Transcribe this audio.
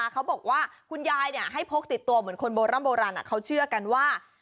เขาบอกว่าคุณยายให้พกติดตัวเหมือนคนโบร่ำโบราณเขาเชื่อกันว่า